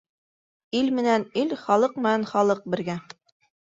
Ил менән ил, халыҡ менән халыҡ бергә.